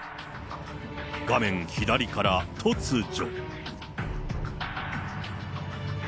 画面左から突如。